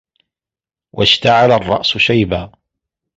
وَاشْتَعَلَ الرَّأْسُ شَيْبًا